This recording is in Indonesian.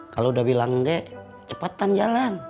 kalau udah bilang ge cepetan jalan